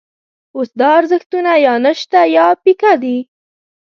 اوس دا ارزښتونه یا نشته یا پیکه دي.